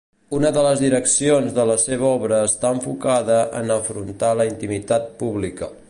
Una de les direccions de la seva obra està enfocada en afrontar la intimitat pública.